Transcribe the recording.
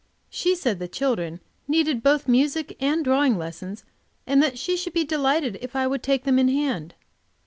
She said the children needed both music and drawing lessons, and that she should be delighted if I would take them in hand.